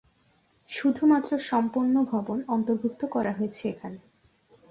শুধুমাত্র সম্পন্ন ভবন অন্তর্ভুক্ত করা হয়েছে এখানে।